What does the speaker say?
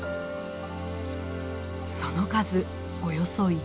その数およそ１万羽。